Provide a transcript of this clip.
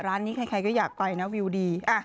ร้านนี้ใครก็อยากไปนะวิวดี